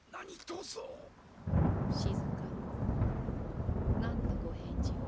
静何とご返事を？